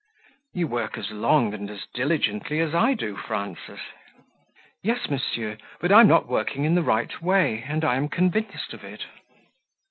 "You work as long and as diligently as I do, Frances." "Yes, monsieur, but I am not working in the right way, and I am convinced of it."